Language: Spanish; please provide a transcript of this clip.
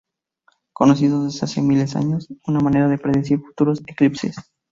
Conocido desde hace miles de años, es una manera de predecir futuros eclipses.